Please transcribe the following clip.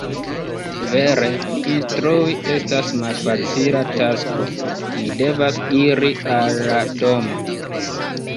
Vere, instrui estas malfacila tasko. Mi devas iri al la domo.